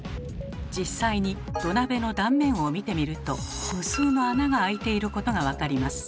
実際に土鍋の断面を見てみると無数の穴が開いていることが分かります。